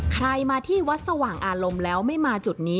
ใครมาที่วัดสว่างอารมณ์แล้วไม่มาจุดนี้